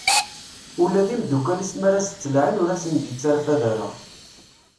Ula d imddukal-is mi ara as-d-ttalaɛin ur asen-itterfad ara.